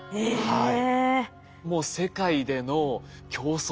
はい。